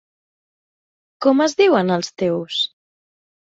Com es diuen els teus!?